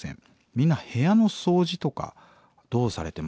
みんな部屋の掃除とかどうされてますか？